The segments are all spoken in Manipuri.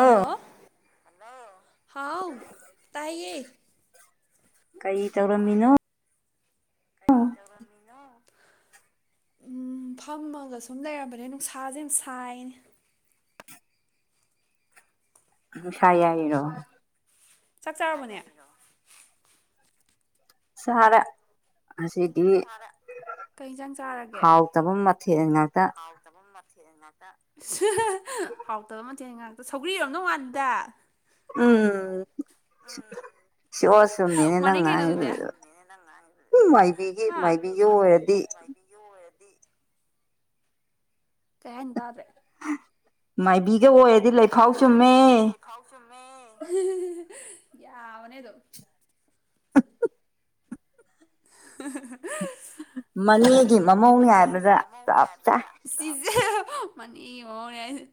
ꯍꯜꯂꯣ ꯍꯥꯎ ꯇꯥꯏꯌꯦ ꯀꯔꯤ ꯇꯧꯔꯝꯃꯤꯅꯣ ꯀꯔꯤ ꯇꯧꯔꯝꯃꯤꯅꯣ ꯎꯝ ꯐꯝꯃꯒ ꯁꯨꯝ ꯂꯩꯔꯝꯕꯅꯦ ꯅꯨꯡꯁꯥꯁꯦ ꯌꯥꯝ ꯁꯥꯏꯅꯦ ꯨꯅꯨꯡꯁꯥ ꯌꯥꯏꯔꯤꯔꯣ ꯆꯥꯛ ꯆꯥꯔꯕꯣ ꯅꯦ ꯆꯥꯔꯦ ꯉꯁꯤꯗꯤ ꯍꯥꯎꯇꯕ ꯃꯊꯦꯜ ꯉꯥꯛꯇ ꯍꯥꯎꯇꯕ ꯃꯊꯦꯜ ꯉꯥꯛꯇ ꯍꯥꯎꯇꯕ ꯃꯊꯦꯜ ꯉꯥꯛꯇ ꯁꯧꯒ꯭ꯔꯤ ꯑꯣꯢꯔꯝꯗꯧ ꯃꯥꯜꯂꯤꯗ ꯎꯝ ꯆꯨꯝꯃꯤꯅꯤ ꯅꯪ ꯉꯥꯡꯉꯤꯗꯣ [inaudible] ꯎꯝ ꯃꯥꯏꯕꯤꯒꯤ ꯃꯥꯏꯕꯤꯒ ꯑꯣꯏꯔꯗꯤ ꯕꯤ ꯑꯣꯏꯔꯥꯗꯤ [inaudible] ꯀꯩ ꯍꯥꯢꯅꯣ ꯇꯥꯗ꯭ꯔꯦ ꯃꯥꯏꯕꯤꯒ ꯑꯣꯏꯔꯗꯤ ꯂꯩꯐꯥꯎ ꯆꯨꯝꯃꯦ ꯥ [inaudible] ꯌꯥꯕꯅꯦ ꯑꯗꯨꯝ ꯑ [unintelligible] ꯃꯅꯦꯒꯤ ꯃꯃꯧꯅꯦ ꯍꯥꯏꯕꯗ ꯆꯞ ꯆꯥꯢ ꯁꯤꯖꯦ ꯃꯅꯦꯒꯤ ꯃꯃꯧ ꯍꯥꯏꯁꯤꯅꯤ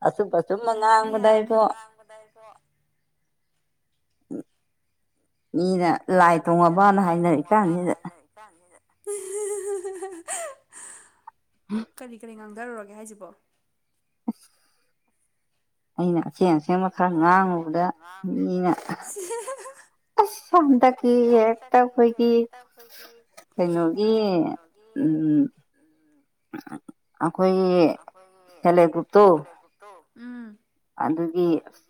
ꯑꯆꯨꯝꯕ [unintelligible] ꯌꯥꯕꯅꯦ ꯌꯥꯕꯅꯦ ꯑꯗꯨꯝ ꯃꯤꯅ ꯂꯥꯏ ꯇꯣꯡꯉꯕꯅ ꯍꯥꯏꯅꯔꯤ ꯀꯥꯟꯁꯤꯗ ꯇꯅꯤꯗ [unintelligible] ꯀꯔꯤ ꯀꯔꯤ ꯉꯥꯡꯗꯔꯨꯔꯒꯦ ꯍꯥꯏꯁꯤꯕꯣ ꯑ [inaudible] ꯑꯩꯅ ꯑꯁꯦꯡ ꯑꯁꯦꯡ [inaudible] ꯑꯩꯅ ꯑꯁꯦꯡ ꯑꯁꯦꯡ ꯈꯥ ꯉꯥꯡꯉꯨꯕꯗ [inaudible] ꯑꯁ ꯍꯟꯗꯛꯀꯤ ꯍꯦꯛꯇ ꯑꯩꯈꯣꯏꯒꯤ ꯑꯩꯈꯣꯏꯒꯤ ꯀꯩꯅꯣꯒꯤ ꯎꯝ ꯑꯩꯈꯣꯏꯒꯤ ꯁꯦꯜꯐ ꯍꯦꯜꯞ ꯒ꯭ꯔꯨꯞꯇꯨ ꯁꯦꯜꯐ ꯍꯦꯜꯞ ꯒ꯭ꯔꯨꯞꯇꯨ ꯎꯝ ꯑꯗꯨꯒꯤ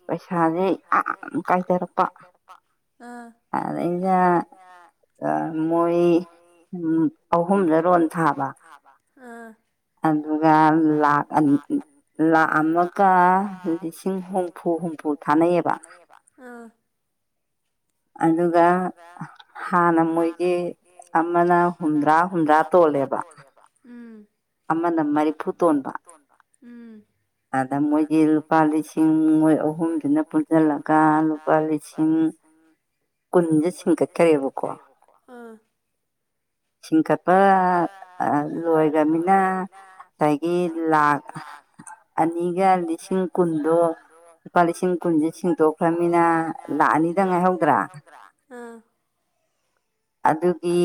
ꯄꯩꯁꯥꯁꯦ ꯌꯥꯝ ꯀꯥꯏꯊꯔꯛꯄ ꯑꯗꯩꯗ ꯃꯣꯏ ꯑꯍꯨꯝꯗ ꯂꯣꯟ ꯊꯥꯕ ꯑꯥ ꯑꯗꯨꯒ ꯂꯥꯈ ꯑꯃꯒ ꯂꯤꯁꯤꯡ ꯍꯨꯝ ꯐꯨ ꯍꯨꯝꯐꯨ ꯊꯥꯗꯩꯩꯕ [inaudible] ꯑꯗꯨꯒ ꯍꯥꯟꯅ ꯃꯣꯏꯒꯤ ꯑꯃꯅ ꯍꯨꯝꯗ꯭ꯔꯥ ꯍꯨꯝꯗ꯭ꯔꯥ ꯇꯣꯜꯂꯦꯕ ꯎꯝ ꯑꯃꯅ ꯃꯔꯤꯐꯨ ꯇꯣꯟꯕ ꯎꯝ ꯑꯗ ꯃꯣꯏꯒꯤ ꯂꯨꯄꯥ ꯂꯤꯁꯤꯡ ꯃꯣꯏ ꯑꯍꯨꯝꯗꯨꯅ ꯄꯨꯟꯁꯤꯜꯂꯒ ꯂꯨꯄꯥ ꯂꯤꯁꯤꯡ ꯀꯨꯟꯁꯦ ꯁꯤꯡꯒꯠꯈ꯭ꯔꯦꯕꯀꯣ ꯁꯤꯡꯀꯠꯄ ꯂꯣꯏꯒꯔꯃꯤ ꯑꯗꯒꯤ ꯂꯥꯛ ꯑꯅꯤꯒ ꯂꯤꯁꯤꯡ ꯀꯨꯟꯗꯣ ꯂꯨꯄꯥ ꯂꯤꯁꯤꯡ ꯀꯨꯟꯁꯦ ꯁꯦꯡꯗꯣꯛꯈ꯭ꯔꯕꯅꯤꯅ ꯅ ꯂꯥꯛ ꯑꯅꯤꯗ ꯉꯥꯏꯍꯧꯗ꯭ꯔꯥ ꯑꯗꯨꯒꯤ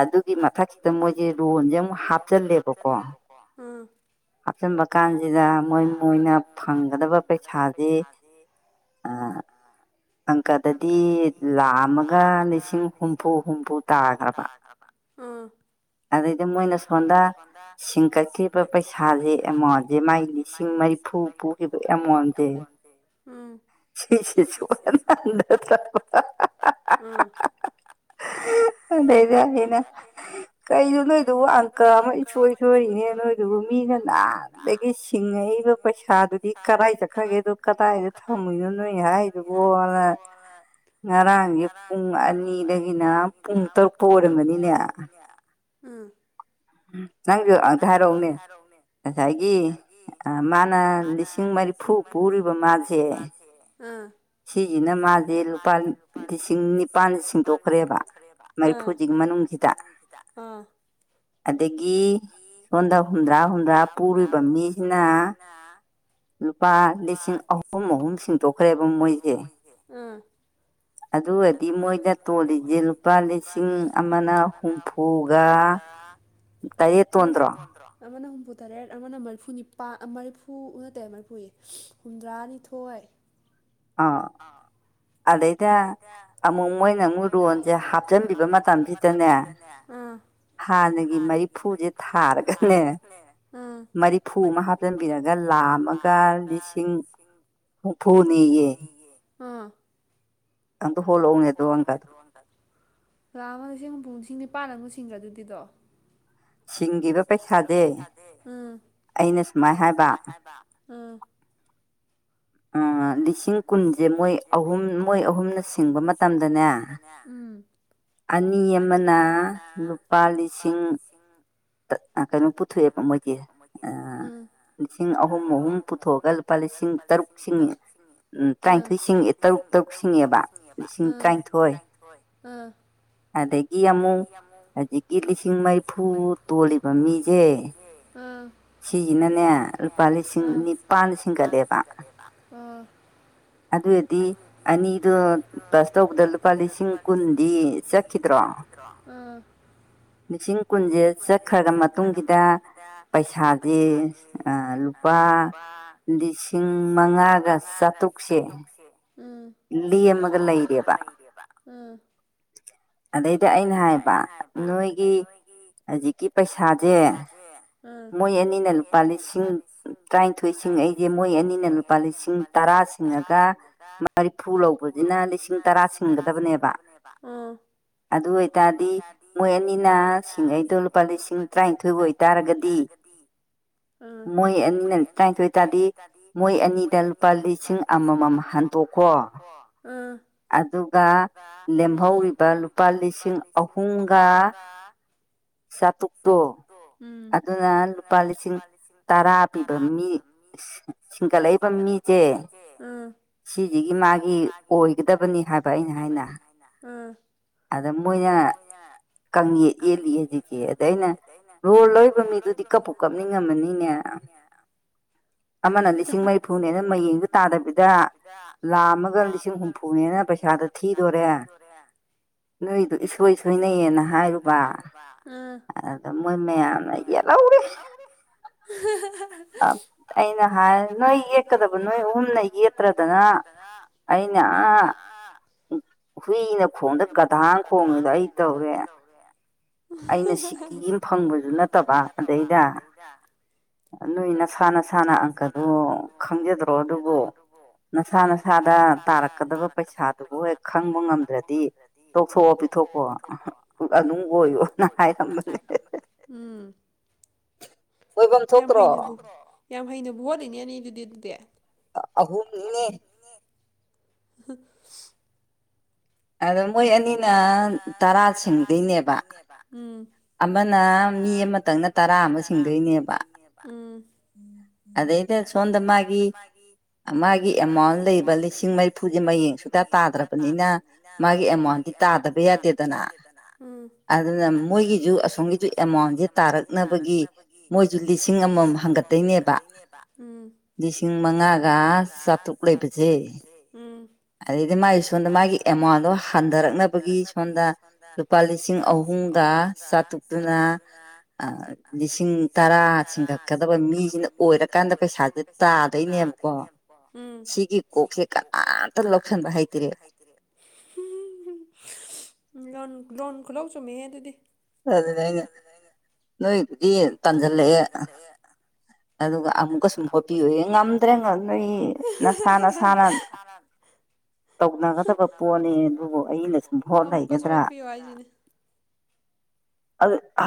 ꯑꯗꯨꯒꯤ ꯃꯊꯛꯁꯤꯗ ꯃꯣꯏꯁꯦ ꯂꯣꯟꯁꯦ ꯑꯃꯨꯛ ꯍꯥꯞꯆꯜꯂꯦꯕ ꯍꯥꯞꯆꯜꯂꯦꯕꯀꯣ ꯎꯝ ꯍꯥꯞꯆꯤꯟꯕ ꯀꯥꯟꯁꯤꯗ ꯃꯣꯏ ꯃꯣꯏꯅ ꯐꯪꯒꯗꯕ ꯄꯩꯁꯥꯁꯦ ꯑꯥ ꯑꯪꯀꯗꯗꯤ ꯂꯥꯛ ꯑꯃꯒ ꯂꯤꯁꯤꯡ ꯍꯨꯝꯐꯨ ꯍꯨꯝꯐꯨ ꯍꯨꯝꯐꯨ ꯇꯥꯔꯕ ꯎꯝ ꯑꯗꯩ ꯗ ꯃꯣꯏꯅ ꯁꯣꯝꯗ ꯁꯤꯡꯀꯠꯈꯤꯕ ꯄꯩꯁꯥꯖ‌ꯦ ꯑꯦꯃꯥꯎꯟꯖ‌ꯦ ꯃꯥꯒꯤ ꯂꯤꯁꯤꯡ ꯃꯔꯤꯐꯨ ꯄꯨꯈꯤꯕ ꯑꯦꯃꯥꯎꯟꯖ‌ꯦ ꯎꯝ ꯁꯤꯁꯤ ꯁꯨꯛ ꯍꯟ ꯍꯟꯅꯗꯔꯕ [unintelligible] ꯑꯗꯩꯗ ꯑꯩꯅ ꯀꯩꯅꯣ ꯅꯣꯏꯗꯨꯕꯨ ꯑꯪꯀ ꯑꯃ ꯏꯁꯣꯏ ꯁꯣꯏ ꯁꯣꯏꯅꯦ ꯅꯣꯏꯗꯨꯕꯨ ꯃꯤꯅ ꯅꯍꯥꯟꯗꯒꯤ ꯁꯤꯡꯉꯛꯏꯕ ꯄꯩꯁꯥꯗꯨꯗꯤ ꯀꫪꯥꯏꯆꯠ ꯀꯗꯥꯏꯗ ꯊꯝꯃꯨꯏꯅꯣ ꯅꯣꯏ ꯍꯥꯏꯗꯨꯕꯣꯅ ꯉꯔꯥꯡꯖ‌ꯦ ꯄꯨꯡ ꯑꯅꯤꯗꯒꯤ ꯄꯨꯨꯡ ꯇꯔꯨꯛ ꯐꯧ ꯑꯣꯏꯔꯝꯒꯅꯤꯅꯦ ꯅꯪꯖꯨ ꯑꯝꯇ ꯍꯥꯏꯔꯛꯑꯣꯅꯦ ꯉꯁꯥꯏꯒꯤ ꯃꯥꯅ ꯂꯤꯁꯤꯡ ꯃꯔꯤꯐꯨ ꯄꯨꯔꯤꯕ ꯃꯥꯁꯦ ꯁꯤꯖꯤꯅ ꯃꯥꯖ‌ꯦ ꯂꯨꯄꯥ ꯂꯤꯁꯤꯡ ꯅꯤꯄꯥꯥꯟ ꯁꯤꯡꯗꯣꯛꯈ꯭ꯔꯦꯕ ꯑ ꯃꯔꯤꯐꯨꯁꯤ ꯃꯅꯨꯡꯁꯤꯗ ꯎꯝ ꯑꯗꯒꯤ ꯁꯣꯝꯗ ꯍꯨꯝꯗ꯭ꯔꯥ ꯍꯨꯝꯗ꯭ꯔꯥ ꯄꯨꯔꯤꯕ ꯃꯤꯖꯤꯅ ꯂꯨꯄꯥ ꯂꯤꯁꯤꯡ ꯑꯍꯨꯝ ꯑꯍꯨꯝ ꯁꯤꯡꯗꯣꯛꯈ꯭ꯔꯦꯕ ꯃꯣꯏꯖ‌ꯦ ꯑꯗꯨꯒꯗꯤ ꯃꯣꯏꯗ ꯇꯣꯜꯂꯤꯖ‌ꯦ ꯂꯨꯄꯥ ꯂꯤꯁꯤꯡ ꯑꯃꯅ ꯍꯨꯝꯐꯨ ꯍꯨꯝꯐꯨꯒ ꯇꯔꯦꯠ ꯇꯣꯟꯗꯔꯣ ꯑꯃꯅ ꯍꯨꯝꯐꯨꯇꯔꯦꯠ ꯑꯃꯅ ꯃꯔꯐꯨ ꯅꯤꯄꯥꯜ ꯃꯔꯐꯨ ꯅꯠꯇꯦ ꯃꯔꯐꯨ ꯑꯌ‌ꯦ ꯍꯨꯝꯗ꯭ꯔꯥꯅꯤ‌ ꯊꯣꯏ ꯑꯥ ꯑꯥ ꯑꯗꯩꯗ ꯑꯃꯨꯛ ꯃꯣꯏꯅ ꯑꯃꯨꯛ ꯂꯣꯟꯖ‌ꯦ ꯍꯥꯞꯆꯤꯟꯕꯤꯕ ꯃꯇꯝꯁꯤꯗꯅꯦ ꯍꯥꯟꯅꯒꯤ ꯃꯔꯤꯐꯨꯖ‌ꯦ ꯊꯥꯔꯒꯅꯦ ꯃꯔꯤꯐꯨ ꯑꯃ ꯍꯥ ꯍꯥꯞꯆꯤꯟꯕꯤꯔꯒ ꯂꯥ ꯑꯃꯒ ꯂꯤꯁꯤꯡ ꯍꯨꯝꯐꯨꯅꯤꯌꯦ ꯑꯥ ꯑꯝꯇ ꯍꯣꯂꯛꯎꯅꯦ ꯑꯗꯣ ꯑꯝꯇꯥ [unintelligible] ꯂꯥ ꯑꯃ ꯂꯤꯁꯤꯡ ꯍꯨꯝꯐꯨ ꯂꯤꯁꯤꯡ ꯅꯤꯄꯥꯥꯟ ꯑꯃꯨ ꯁꯤꯒ꯭ꯔ ꯗꯨꯗꯤ ꯗꯣ ꯁꯤꯡꯒꯤꯕ ꯄꯩꯁꯥꯗ‌ꯦ ꯑꯝ ꯑꯩꯅ ꯁꯨꯃꯥꯏꯅ ꯍꯥꯏꯕ ꯑꯝ ꯑ ꯂꯤꯁꯤꯡ ꯀꯨꯟꯁꯦ ꯃꯣꯏ ꯑꯍꯨꯝ ꯃꯣꯏ ꯑꯍꯨꯝꯅ ꯁꯤꯡꯕ ꯃꯇꯝꯗꯅꯦ ꯑꯅꯤ ꯑꯃꯅ ꯂꯨꯄꯥ ꯂꯤꯁꯤꯡ ꯀꯩꯅꯣ ꯄꯨꯊꯣꯛꯑꯦ ꯕ ꯃꯣꯏꯒꯤ ꯑ ꯂꯤꯁꯤꯡ ꯑꯍꯨꯝ ꯑꯍꯨꯝ ꯄꯨꯊꯣꯛꯑꯒ ꯂꯨꯄꯥ ꯂꯤꯁꯤꯡ ꯇꯔꯨꯛꯁꯤꯡ ꯉ‌ꯦ ꯎꯝ ꯇꯔꯥꯅꯤꯊꯣꯏꯁꯤꯡ ꯑ‌ꯦ ꯇꯔꯨꯛ ꯇꯔꯨꯛ ꯁꯤꯉꯦꯕ ꯂꯤꯁꯤꯡ ꯇꯔꯥꯏꯟꯊꯣꯏ ꯑ ꯑꯗꯒꯤ ꯑꯃꯨꯛ ꯍꯧꯖꯤꯛ ꯀꯤ ꯂꯤꯁꯤꯡ ꯃꯔꯐꯨ ꯇ‌ꯣꯜꯂꯤꯕ ꯃꯤꯖ‌ꯦ ꯑ ꯁꯤꯖꯤꯅ ꯅ‌ꯦ ꯂꯨꯄꯥ ꯂꯤꯁꯤꯡ ꯅꯤꯄꯥꯟ ꯁꯤꯡꯀꯠ ꯂ‌ꯦꯕ ꯑꯗꯨ ꯑ‌ꯣꯏ ꯗꯤ ꯑꯅꯤ ꯗꯨ ꯄꯂꯥꯁ ꯇꯧꯕꯗ ꯂꯨꯄꯥ ꯂꯤꯁꯤꯡ ꯀꯨꯟꯗꯤ ꯆꯠꯈꯤꯗ꯭ꯔꯣ ꯑ ꯂꯤꯁꯤꯡ ꯀꯨꯟꯖ‌ꯦ ꯆꯠꯈ꯭ꯔꯕ ꯃꯇꯨꯡꯁꯤꯗ ꯄꯩꯁꯥꯖ‌ꯦ ꯑ ꯂꯨꯄꯥ ꯂꯤꯁꯤꯡ ꯃꯉꯥꯒ ꯆꯥꯇ꯭ꯔꯨꯛꯁꯦ ꯂ‌ꯦꯝ ꯃꯒꯥ ꯂꯩꯔ‌ꯦꯕ ꯑ ꯑꯗꯩꯗ ꯑꯩꯅ ꯍꯥꯏꯕ ꯅꯣꯏꯒꯤ ꯍꯧꯖꯤꯛꯀꯤ ꯄꯩꯁꯥꯖ‌ꯦ ꯃꯣꯏ ꯑꯅꯤꯅ ꯂꯨꯄꯥ ꯂꯤꯁꯤꯡ ꯇꯔꯥꯏꯟꯊꯣꯏ ꯁꯤꯡꯉꯛꯏ ꯖ‌ꯦ ꯃꯣꯏ ꯑꯅꯤꯅ ꯂꯨꯄꯥ ꯂꯤꯁꯤꯡ ꯇꯔꯥꯁꯤꯡ ꯃꯔꯤꯐꯨ ꯂꯧꯕꯁꯤꯅ ꯂꯤꯁꯤꯡ ꯇꯔꯥ ꯁꯤꯟꯒꯗꯕꯅꯦꯕ ꯑꯗꯨ ꯑꯣꯏꯇꯥꯔꯗꯤ ꯃꯣꯏ ꯑꯅꯤꯅ ꯁꯤꯡꯉꯩ ꯂꯨꯄꯥ ꯂꯤꯁꯤꯡ ꯇꯔꯥꯏꯟꯊꯣꯏ ꯑꯣꯏꯇꯥꯔꯒꯗꯤ ꯎꯝ ꯃꯣꯏ ꯑꯅꯤꯅ ꯇꯔꯥꯅꯤꯊꯣꯏ ꯇꯥꯔꯗꯤ ꯃꯣꯏ ꯑꯅꯤꯗ ꯂꯨꯄꯥ ꯂꯤꯁꯤꯡ ꯑꯃꯃ ꯍꯟꯗꯣꯛꯈꯣ ꯎꯝ ꯑꯗꯨꯒ ꯂꯦꯝꯍꯧꯔꯤꯕ ꯂꯨꯄꯥ ꯂꯤꯁꯤꯡ ꯑꯍꯨꯝꯒ [unintelligible] ꯆꯥꯇ꯭ꯔꯨꯛꯇꯣ ꯑꯗꯨꯅ ꯂꯨꯄꯥ ꯂꯤꯁꯤꯡ ꯇꯔꯥ ꯄꯤꯕ ꯃꯤ ꯁꯤꯡꯒꯠꯂꯛꯏꯕ ꯃꯤꯁꯦ ꯁꯤꯁꯤꯒꯤ ꯃꯥꯒꯤ ꯑꯣꯏ ꯑꯣꯏꯒꯗꯕꯅꯤ ꯍꯥꯏꯕ ꯑꯩꯅ ꯍꯥꯏꯅ ꯑꯗ ꯃꯣꯏꯅ ꯀ ꯌꯦꯜꯂꯤ ꯍꯧꯖꯤꯛꯀꯤ ꯑꯗ ꯑꯩꯅ ꯔꯣ ꯂꯧꯔꯤꯕ ꯃꯤꯗꯨꯗꯤ ꯀꯞꯄꯨ ꯀꯞꯅꯤꯡꯉꯝꯃꯅꯤꯅꯦ ꯑꯃꯅ ꯂꯤꯁꯤꯡ ꯃꯔꯤꯐꯨꯅꯦꯅ ꯃꯌꯦꯡꯗꯨ ꯇꯥꯗꯕꯤꯗ ꯂꯥ ꯑꯃꯒ ꯂꯤꯁꯤꯡ ꯍꯨꯝꯐꯨ ꯂꯤꯁꯤ ꯍꯨꯝꯐꯨꯅꯦꯅ ꯄꯩꯁꯥꯗ ꯊꯤꯗꯣꯔꯦ ꯅꯣꯏꯗ ꯏꯁꯣꯏ ꯁꯣꯏꯅꯩꯌꯦꯅ ꯍꯥꯏꯔꯨꯕ ꯑꯗ ꯃꯣꯏ ꯃꯌꯥꯝꯅ ꯌꯦꯠꯍꯧꯔꯦ ꯍ ꯑꯩꯅ ꯍꯥꯏ ꯅꯣꯏ ꯌꯦꯛꯀꯗꯕ ꯅꯣꯏ ꯑꯍꯨꯝꯅ ꯌꯦꯠꯇ꯭ꯔꯗꯅ ꯑꯏꯩꯅ ꯍꯨꯏꯅ ꯈꯣꯡꯗ ꯒꯗꯥꯥꯡ ꯈꯣꯡꯉꯦꯗꯣ ꯑꯩ ꯇꯧꯔꯦ ꯑꯩꯅ ꯁꯤ ꯀꯤ ꯑꯃ ꯐꯪꯕꯁꯨ ꯅꯠꯇꯕ ꯑꯗꯩꯗ ꯅꯣꯏ ꯅꯁꯥ ꯅꯁꯥꯅ ꯑꯪꯀꯗꯣ ꯈꯪꯖꯗ꯭ꯔꯣ ꯑꯗꯨꯕꯨ ꯅꯁꯥ ꯅꯁꯥꯗ ꯇꯥꯔꯛꯀꯗꯕ ꯄꯩꯁꯥꯗꯨꯕꯨ ꯍꯦꯛ ꯈꯪꯕ ꯉꯝꯗ꯭ꯔꯗꯤ ꯇꯣꯛꯊꯣꯛꯑꯣ ꯄꯤꯊꯣꯛꯄꯣ ꯑꯨꯕ ꯑꯣꯏꯌꯣ ꯎꯝ ꯌꯥꯝ ꯍꯩꯅ ꯌꯥꯝ ꯍꯩꯅꯕꯕꯨ ꯍꯣꯠꯜꯂꯤꯅꯦꯅꯤ ꯑꯗꯨꯗꯤ ꯑꯗꯨꯗꯤ ꯑꯍꯨꯝꯅꯤꯅꯦ ꯍ ꯑꯗꯣ ꯃꯣꯏ ꯑꯅꯤꯅ ꯇꯔꯥꯁꯤꯡꯗꯅꯦꯕ ꯎꯝ ꯑꯃꯅ ꯃꯤ ꯑꯃꯇꯪꯅ ꯇꯔꯥ ꯑꯃ ꯁꯤꯡꯗꯣꯏꯅꯦꯕ ꯑꯗꯩꯗ ꯁꯣꯗ ꯃꯥ ꯃꯥꯒꯤ ꯑꯦꯃꯥꯎꯟ ꯂꯩꯕ ꯂꯤꯁꯤꯡ ꯃꯔꯤꯐꯨꯁꯦ ꯃꯌꯦꯡ ꯁꯨꯗ ꯇꯥꯗ꯭ꯔꯕꯅꯤꯅ ꯃꯥꯒꯤ ꯑꯦꯃꯥꯎꯟ ꯗꯤ ꯇꯥꯗꯕ ꯌꯥꯗꯦꯗꯅ ꯑꯗꯨꯅ ꯃꯣꯏꯒꯤ ꯑꯁꯣꯝꯒꯤꯁꯨ ꯑꯦꯃꯥꯎꯟꯁꯦ ꯇꯥꯔꯛꯅꯕꯒꯤ ꯃꯣꯏꯁꯨ ꯂꯤꯁꯤꯡ ꯑꯃꯃꯝ ꯍꯪꯒꯠꯇꯣꯏꯅꯦꯕ ꯎꯝ ꯂꯤꯁꯤꯡ ꯃꯉꯥꯒ ꯆꯥꯇ꯭ꯔꯨꯛ ꯂꯩꯕꯁꯦ ꯑꯗꯩꯗꯤ ꯃꯥꯒꯤ ꯁꯣꯝꯗ ꯃꯥꯒꯤ ꯑꯦꯃꯣꯟꯗꯣ ꯍꯟꯊꯔꯛꯅꯕꯒꯤ ꯁꯣꯝꯗ ꯂꯨꯄꯥ ꯂꯤꯁꯤꯡ ꯑꯍꯨꯝꯒ ꯆꯥꯇꯨꯛꯇꯨꯅ ꯑ ꯂꯤꯁꯤꯡ ꯇꯔꯥ ꯁꯤꯡꯈꯠꯀꯗꯕ ꯃꯤꯁꯤꯅ ꯑꯣꯏꯔꯀꯥꯟꯗ ꯄꯩꯁꯥꯁꯦ ꯇꯥꯗꯣꯏꯅꯦꯕꯀꯣ ꯁꯤꯒꯤ ꯀꯣꯛꯁꯦ ꯀꯅꯥꯝꯇ ꯂꯧꯁꯤꯟꯕ ꯍꯥꯏꯇꯔꯦ ꯍꯩꯇ꯭ꯔꯦ ꯂꯣꯟ ꯂꯣꯟ ꯈꯨꯂꯧ ꯆꯨꯝꯃꯦ ꯑꯗꯨꯗꯤ ꯑꯗꯨꯅꯦ ꯅꯣꯏꯗꯤ ꯇꯥꯟꯁꯤꯜꯂꯛꯑꯦ ꯑꯗꯨꯒ ꯑꯃꯨꯛꯀ ꯁꯨꯝ ꯍꯣꯠꯄꯤꯌꯨ ꯉꯝꯗ꯭ꯔꯦ ꯉꯝ ꯅꯣꯏ ꯅꯁꯥ ꯅꯁꯥꯅ ꯇꯧꯅꯒꯗꯕ ꯄꯣꯠꯅꯤ ꯑꯗꯨꯕꯨ ꯑꯩꯅ ꯁꯨꯝ ꯍꯣꯠ ꯂꯩꯒꯗ꯭ꯔꯥ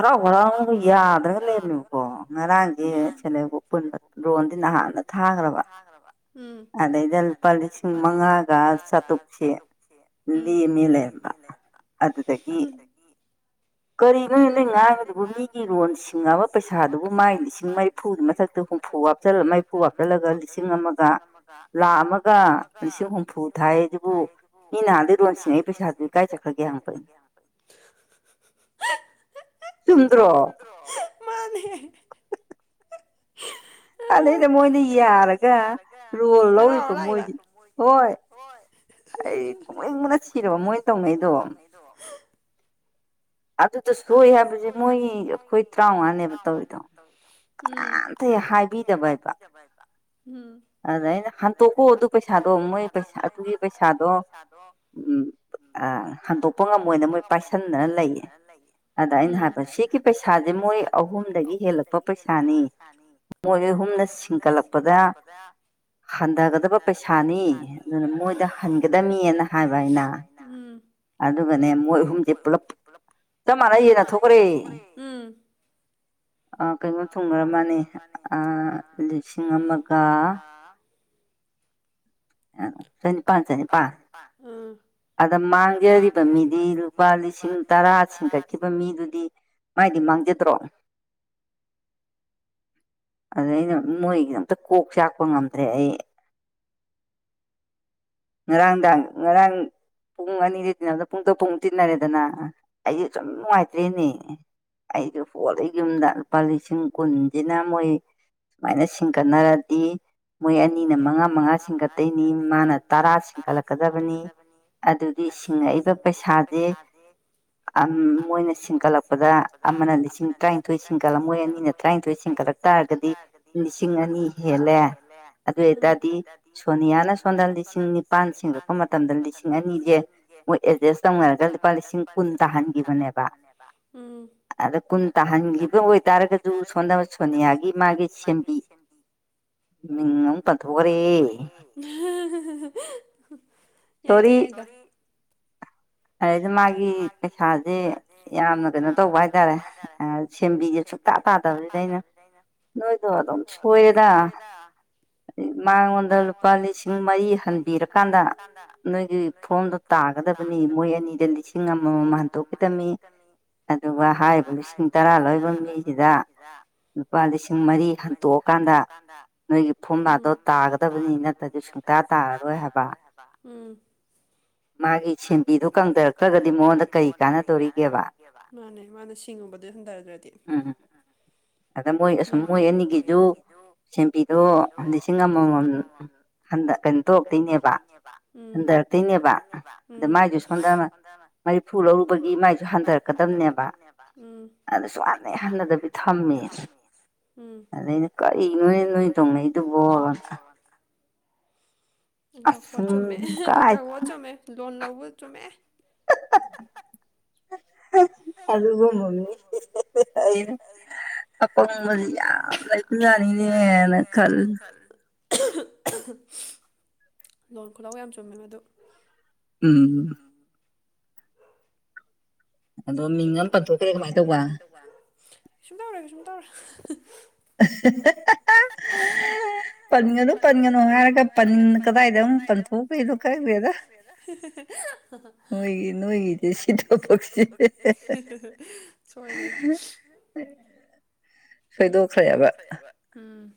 ꯑꯗꯨ ꯍꯔꯥꯎ ꯍꯔꯥꯎꯕꯒ ꯌꯥꯗ꯭ꯔꯒ ꯂꯩꯔꯝꯃꯦꯕꯀꯣ ꯉꯔꯥꯡꯁꯦ ꯁꯦꯂꯦꯞ ꯒꯨꯞ ꯂꯣꯟꯗꯤ ꯅꯍꯥꯟꯗ ꯊꯥꯈ꯭ꯔꯕ ꯎꯝ ꯑꯗꯩꯗ ꯂꯨꯄꯥ ꯂꯤꯁꯤꯡ ꯃꯉꯥꯒ ꯆꯥꯇ꯭ꯔꯨꯛꯁꯦ ꯂꯦꯝꯃꯤ ꯂꯩꯔꯝꯕ ꯑꯗꯨꯗꯒꯤ ꯀꯔꯤꯅꯣ ꯅꯣꯏ ꯉꯥꯡꯉꯤꯗꯨꯕꯨ ꯃꯤꯒꯤ ꯂꯣꯟ ꯁꯤꯡꯉꯕ ꯄꯩꯁꯥꯗꯨꯕꯨ ꯃꯥꯒꯤ ꯂꯤꯁꯤꯡ ꯃꯔꯤꯐꯨꯒꯤ ꯃꯊꯛꯇ ꯍꯨꯝꯐꯨ ꯋꯥꯠꯄ ꯍꯥꯆ ꯃꯩꯐꯨ ꯍꯥꯞꯆꯜꯂꯒ ꯂꯤꯁꯤꯡ ꯑꯃꯒ ꯂꯥꯈ ꯑꯃꯒ ꯂꯤꯁꯤꯡ ꯍꯨꯝꯐꯨ ꯊꯥꯏ ꯑꯗꯨꯕꯨ ꯃꯤ ꯅꯍꯥꯟꯗꯩ ꯔꯣꯟꯁꯤꯡꯉꯩ ꯄꯩꯁꯥꯁꯨꯗꯤ ꯀꯥꯏꯖꯈ꯭ꯔꯒꯦ ꯍꯪꯕ ꯑꯩꯅ ꯆꯨꯝꯗ꯭ꯔꯣ ꯃꯥꯅꯦ ꯑꯥ ꯑꯗꯩꯗ ꯃꯣꯏꯅ ꯌꯥꯔꯒ ꯍꯔꯥꯎꯔ ꯂꯥꯛꯏꯕ ꯍꯣꯏ ꯑꯩ ꯅꫭꯛꯅꯤꯡꯕꯅ ꯁꯤꯔꯕ ꯃꯣꯏ ꯇꯧꯅꯩꯗꯣ ꯑꯗꯨ ꯑꯗꯨꯗ ꯁꯣꯏ ꯍꯥꯏꯕꯁꯦ ꯃꯣꯏ ꯑꯩꯈꯣꯏ ꯇꯔꯥꯃꯉꯥꯅꯦꯕ ꯇꯧꯋꯤꯗꯣ ꯀꯥꯅꯝꯃꯇꯥꯍꯦ ꯁꯥꯏꯗꯦ [unintelligible] ꯎꯝ ꯑꯗꯥ ꯑꯩꯅ ꯍꯟꯇꯣꯛꯀꯣ ꯑꯗꯨ ꯄꯩꯁꯥꯗꯣ ꯃꯣꯏ ꯄꯩꯁꯥ ꯑꯗꯨꯒꯤ ꯄꯩꯁꯥꯗꯣ ꯎꯝ ꯑꯥ ꯍꯟꯗꯣꯛꯄ ꯉꯝꯃꯣꯏꯅ ꯃꯣꯏ ꯄꯥꯏꯁꯟꯅꯔ ꯂꯩꯌꯦ ꯑꯗꯥ ꯑꯩꯅ ꯍꯥꯏꯕ ꯁꯤꯒꯤ ꯄꯩꯁꯥꯁꯦ ꯃꯣꯏ ꯑꯍꯨꯝꯗꯒꯤ ꯍꯦꯜꯂꯛꯄ ꯄꯩꯁꯥꯅꯤ ꯃꯣꯏ ꯑꯍꯨꯝꯅ ꯁꯤꯡꯀꯠꯂꯛꯄꯗ ꯍꯟꯗꯥꯒꯗꯕ ꯄꯩꯁꯥꯅꯤ ꯑꯗꯨꯅ ꯃꯣꯏꯗ ꯍꯟꯒꯗꯝꯅꯤ ꯍꯥꯏꯕ ꯑꯩꯅ ꯑꯗꯨꯒꯅꯦ ꯃꯣꯏ ꯑꯍꯨꯝꯁꯦ ꯄꯨꯂꯞ ꯆꯞ ꯃꯥꯟꯅ ꯌꯦꯟꯅꯊꯣꯛꯈ꯭ꯔꯦ ꯑ ꯀꯩꯅꯣ ꯊꯨꯡꯅꯔꯝꯃꯥꯅꯤ ꯂꯤꯁꯤꯡ ꯑꯃꯒ ꯑ ꯆꯅꯤꯄꯥꯟ ꯆꯅꯤꯄꯥꯟ ꯑꯥ ꯑꯗꯥ ꯃꯥꯡꯖꯔꯤꯕ ꯃꯤꯗꯤ ꯂꯨꯄꯥ ꯂꯤꯁꯤꯡ ꯇꯔꯥ ꯁꯤꯡꯒꯠꯈꯤꯕ ꯃꯤꯗꯨꯗꯤ ꯃꯥꯏꯗꯤ ꯃꯥꯡꯖꯗ꯭ꯔꯣ ꯑꯗꯥ ꯑꯩꯅ ꯃꯣꯏꯒꯤ ꯑꯝꯇ ꯀꯣꯛ ꯆꯥꯛꯄ ꯉꯝꯗ꯭ꯔꯦ ꯑꯩ ꯉꯔꯥꯡꯗꯥꯡ ꯉꯔꯥꯡ ꯄꯨꯡ ꯑꯅꯤꯗꯤꯏ ꯇꯤꯟꯅꯕꯗ ꯄꯨꯡ ꯇꯔꯨꯛ ꯇꯤꯟꯅꯔꯦꯗꯅ ꯑꯩꯁꯦ ꯁꯨꯝ ꯅꯨꯡꯉꯥꯏꯇ꯭ꯔꯦꯅꯦ ꯑꯩꯁꯨ ꯍꯣꯜꯂꯤ ꯌꯨꯝꯗ ꯂꯨꯄꯥ ꯂꯤꯁꯤꯡ ꯀꯨꯟꯁꯤꯅ ꯃꯣꯏ ꯁꯨꯃꯥꯏꯅ ꯁꯤꯡꯒꯠꯅꯔꯗꯤ ꯃꯣꯏ ꯑꯅꯤꯅ ꯃꯉꯥ ꯃꯉꯥ ꯁꯤꯡꯒꯠꯇꯣꯏꯅꯤ ꯃꯥꯅ ꯇꯔꯥ ꯁꯤꯡꯀꯠꯂꯛꯀꯗꯕꯅꯤ ꯑꯗꯨꯗꯤ ꯁꯤꯡꯉꯛꯏꯕ ꯄꯩꯁꯥꯁꯦ ꯑꯥ ꯃꯣꯏꯅ ꯁꯤꯡꯀꯠꯂꯛꯄꯗ ꯑꯃꯅ ꯂꯤꯁꯤꯡ ꯇꯔꯥꯅꯤꯊꯣꯏ ꯁꯤꯡꯒꯠꯂ ꯃꯣꯏ ꯑꯅꯤꯅ ꯇꯔꯥꯅꯤꯊꯣꯏ ꯁꯤꯡꯀꯠꯂꯛ ꯁꯤꯡꯒꯠꯂꯛ ꯇꯥꯔꯒꯗꯤ ꯂꯤꯁꯤꯡ ꯑꯅꯤ ꯍꯦꯜꯂꯦ ꯎꯝ ꯑꯗꯨ ꯑꯣꯢ ꯇꯥꯔꯒꯗꯤ ꯁꯣꯅꯤꯌꯥꯅ ꯁꯣꯝ ꯅ ꯂꯤꯁꯤꯡ ꯅꯤꯄꯜ ꯁꯤꯡꯂꯛꯄ ꯃꯇꯝꯗ ꯂꯤꯁꯤꯡ ꯑꯅꯤꯁꯦ ꯃꯣꯏ ꯑꯦꯗꯖꯦꯁ ꯇꯧꯅꯔꯒ ꯂꯨꯄꯥ ꯂꯤꯁꯤꯡ ꯀꯨꯟ ꯇꯥꯍꯟ ꯒꯤꯕꯅꯦꯕ ꯎꯝ ꯑꯗꯥ ꯀꯨꯟ ꯇꯥꯍꯟꯈꯤꯕ ꯑꯣꯏꯇꯥꯔꯒꯁꯨ ꯁꯣꯝꯗ ꯁꯣꯅꯤꯌꯥꯒꯤ ꯃꯥꯒꯤ ꯁꯦꯝꯕꯤ ꯃꯤꯡ ꯑꯃꯨꯛ ꯄꯟꯊ‌ꯣꯈ꯭ꯔꯦ ꯌꯥꯏꯗꯥ ꯌꯥꯏꯗꯥ ꯑꯗꯩꯗꯥ ꯃꯥꯒꯤ ꯄꯩꯁꯥꯁꯦ ꯌꯥꯝꯅ ꯀꯩꯅꯣ ꯇꯧꯕ ꯍꯥꯏꯇꯥꯔꯦ ꯁꯦꯝꯕꯤꯁꯦ ꯁꯨꯡꯇꯇ ꯇꯥꯗꯕꯁꯤꯗ ꯑꯩꯅ ꯅꯣꯏꯗꯣ ꯑꯗꯨꯝ ꯁꯣꯏꯔꯦꯗ ꯃꯉꯣꯟꯗ ꯂꯨꯄꯥ ꯂꯤꯁꯤꯡ ꯃꯔꯤ ꯍꯟꯕꯤꯔꯀꯥꯟꯗ ꯅꯣꯏꯒꯤ ꯐꯣꯝꯗꫭ ꯇꯥꯒꯗꯕꯅꯤ ꯃꯣꯏ ꯑꯅꯤꯗ ꯂꯤꯁꯤꯡ ꯑꯃꯥꯃꯝ ꯍꯟꯗꯣꯛꯈꯤꯗꯝꯅꯤ ꯑꯗꯨꯒ ꯍꯥꯏꯔꯤꯕ ꯂꯤꯁꯤꯡ ꯇꯔꯥ ꯂꯧꯔꯤꯕ ꯃꯤꯁꯤꯗ ꯂꯨꯄꯥ ꯂꯤꯁꯤꯡ ꯃꯔꯤ ꯍꯟꯇꯣꯛꯑꯀꯥꯟꯗ ꯅꯣꯏꯒꯤ ꯐꯣꯝꯂꯗꯣ ꯇꯥꯒꯗꯕꯅꯤ ꯅꯠꯇ꯭ꯔꯗꯤ ꯁꯨꯡꯇꯥ ꯇꯥꯔꯔꯣꯏ ꯍꯥꯏꯕ ꯃꯥꯒꯤ ꯃꯥꯒꯤ ꯁꯦꯟꯕꯤꯗꯨ ꯀꯪꯗꯔꯛꯇ꯭ꯔꯒꯗꯤ ꯃꯉꯣꯟꯗ ꯀꯔꯤ ꯀꯥꯟꯅꯗꯧꯔꯤꯒꯦꯕ ꯃꯥꯅꯦ ꯃꯥꯅꯦ ꯁꯤꯟꯎꯕꯗꯨ ꯍꯟꯊꯗ꯭ꯔꯗꯤ ꯎꯝ ꯑꯗꯥ ꯃꯣꯏ ꯑꯁꯨꯝ ꯃꯣꯏ ꯑꯅꯤꯒꯤꯖꯨ ꯁꯦꯝꯕꯤꯗꯣ ꯂꯤꯁꯤꯡ ꯑꯃꯥꯃꯝ ꯍꯟꯗ ꯀꯩꯅꯣ ꯇꯣꯛꯇꯅꯦꯕ ꯎꯝ ꯍꯟꯗꯔꯛꯇ‌ꯣꯏꯅꯦꯕ ꯎꯝ ꯃꯥꯒꯤ ꯁ‌ꯣꯝꯗꯃꯥ ꯃꯔꯤꯐꯨ ꯂꯧꯔꯨꯕꯒꯤ ꯃꯥꯏꯁꯨ ꯍꯟꯊꯔꯛꯀꯗꯕꯅꯦꯕ ꯑꯗꯨ ꯁꯨꯍꯟ ꯍ‌ꯦꯛ ꯍꯟꯊꯗꯕꯤ ꯊꯝꯃꯦ ꯎꯝ ꯑꯗꯩꯗꯤ ꯀꯔꯤꯅꯣꯅꯦ ꯅꯣꯏ ꯇꯧꯅꯩꯩꯗꯨꯕꯣ ꯑꯪꯀ ꯈꯨꯍ‌‌ꯣꯠ ꯆꯨꯝꯃ‌ꯦ ꯑꯪꯀ ꯈꯨꯍ‌ꯣꯠ ꯆꯨꯝꯃ‌ꯦ ꯂ‌ꯣꯟ ꯂꯧꯕ ꯆꯨꯝꯃ‌ꯦ [unintelligible] ꯑꯗꯨꯒꯨꯕ ꯃꯤ [unintelligible] ꯑꯩꯅ ꯑꯄꯪꯕꯁꯦ ꯌꯥꯝ ꯂꯩꯕꯥ ꯖꯥꯠꯅꯤꯅꯦ ꯍꯥꯏꯅ ꯈꯥꯟꯂꯦ [unintelligible] ꯂꯣꯟ ꯈꯨꯂꯧ ꯌꯥꯝ ꯆꯨꯝꯃꯦ ꯃꯗꯨ ꯎꯝ ꯑꯗꯣ ꯃꯤꯡ ꯑꯝ ꯆ‌ꯣꯡꯊ꯭ꯔ‌ꯦ ꯀꯃꯥꯏ ꯇꯧꯕ ꯋꯥ ꯀꯩꯁꯨꯝ ꯇꯧꯔ‌ꯣꯏ ꯀꯩꯁꯨꯝ ꯇꯧꯔ‌ꯣꯏ [unintelligible] ꯄꯟꯒꯅꯨ ꯄꯟꯒꯅꯨ ꯍꯥꯏꯔꯒ ꯄꯟ ꯀꯗꯥꯏꯗ ꯑꯃꯨꯛ ꯄꯟꯊꯣꯛꯈꯩꯅ‌‌ꯣ ꯈꯪꯗ‌ꯦꯗ ꯃꯣꯏꯒꯤ ꯅꯣꯏꯒꯤꯗꯤ [unintelligible] ꯁꯣꯏꯗꯣ ꯊꯣꯏꯗꯣꯛꯈ꯭ꯔ‌ꯦꯕ ꯎꯝ